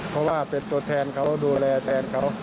เพราะว่าเป็นตัวแทนเขาดูแลแทนเขา